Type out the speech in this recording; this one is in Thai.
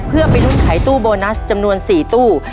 เพื่อไปลุ้นไขตู้โบนัสจำนวน๔ตู้